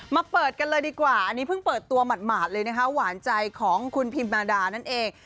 เปิดกันเลยดีกว่าอันนี้เพิ่งเปิดตัวหมาดเลยนะคะหวานใจของคุณพิมมาดานั่นเอง